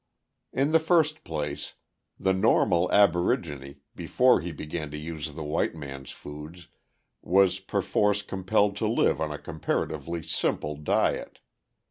] In the first place, the normal aborigine, before he began to use the white man's foods, was perforce compelled to live on a comparatively simple diet.